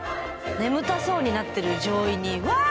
眠たそうになってる乗員に「ワー！！」